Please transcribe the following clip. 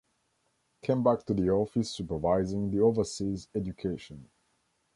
Came back to the office supervising the overseas education.